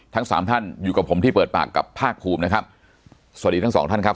ทั้งสามท่านอยู่กับผมที่เปิดปากกับภาคภูมินะครับสวัสดีทั้งสองท่านครับ